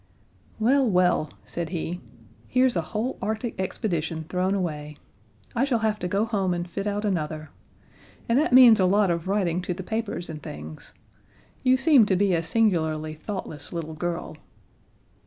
"Well, well," said he, "here's a whole Arctic expedition thrown away! I shall have to go home and fit out another. And that means a lot of writing to the papers and things. You seem to be a singularly thoughtless little girl."